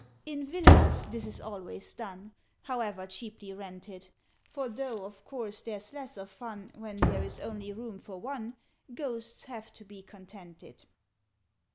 "In Villas this is always done However cheaply rented: For, though of course there's less of fun When there is only room for one, Ghosts have to be contented.